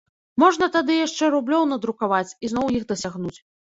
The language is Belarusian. Можна тады яшчэ рублёў надрукаваць і зноў іх дасягнуць.